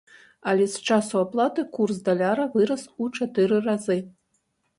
Але з часу аплаты курс даляра вырас у чатыры разы!